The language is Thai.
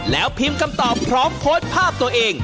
แล้วพิมพ์คำตอบพร้อมโพสต์ภาพตัวเอง